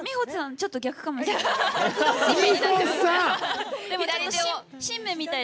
ちょっと逆かもしれない。